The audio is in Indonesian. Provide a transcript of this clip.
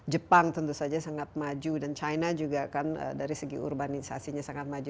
jepang tentu saja sangat maju dan china juga kan dari segi urbanisasinya sangat maju